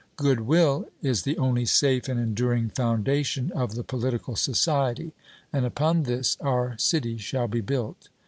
Good will is the only safe and enduring foundation of the political society; and upon this our city shall be built.